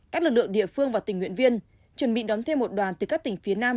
các lực lượng địa phương và tình nguyện viên chuẩn bị đón thêm một đoàn từ các tỉnh phía nam